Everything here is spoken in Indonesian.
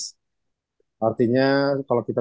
ya artinya kalau kita